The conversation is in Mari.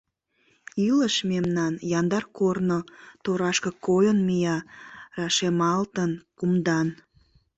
Илыш мемнан — яндар корно, торашке Койын мия — рашемалтын кумдан…